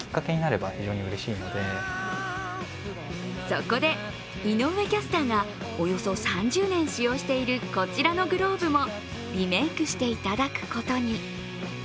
そこで井上キャスターがおよそ３０年使用しているこちらのグローブもリメークしていただくことに。